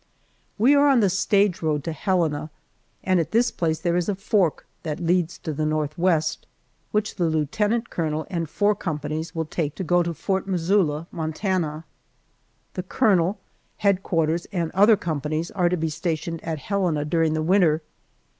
We are on the stage road to Helena, and at this place there is a fork that leads to the northwest which the lieutenant colonel and four companies will take to go to Fort Missoula, Montana. The colonel, headquarters, and other companies are to be stationed at Helena during the winter.